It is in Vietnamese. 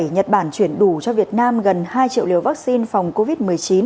nhật bản chuyển đủ cho việt nam gần hai triệu liều vaccine phòng covid một mươi chín